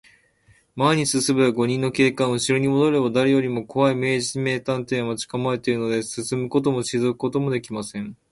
前に進めば五人の警官、うしろにもどれば、だれよりもこわい明智名探偵が待ちかまえているのです。進むこともしりぞくこともできません。